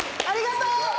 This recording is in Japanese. ありがとう！